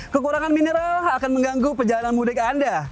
kekurangan mineral akan mengganggu perjalanan mudik anda